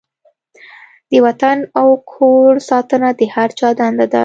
د وطن او کور ساتنه د هر چا دنده ده.